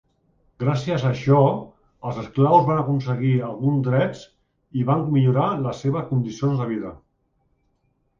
Gràcies a això, els esclaus van aconseguir alguns drets i van millorar les seves condicions de vida.